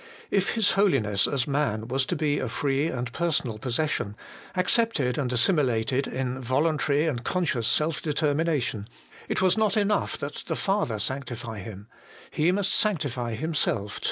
If His Holiness as man was to be a free and personal possession, accepted and assimilated in voluntary and conscious self determination, it was not enough that the Father sanctify Him : He must sanctify Himself too.